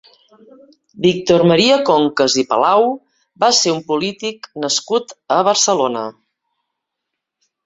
Víctor Maria Concas i Palau va ser un polític nascut a Barcelona.